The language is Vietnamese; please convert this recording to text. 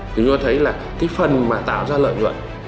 chúng ta thấy phần tạo ra lợi nhuận